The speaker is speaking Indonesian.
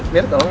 mir tolong ya